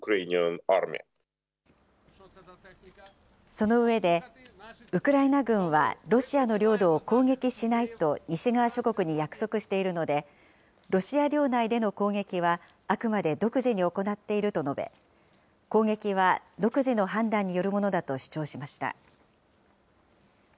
その上で、ウクライナ軍はロシアの領土を攻撃しないと西側諸国に約束しているので、ロシア領内での攻撃は、あくまで独自に行っていると述べ、攻撃は独自の判断によるものだと主張しました。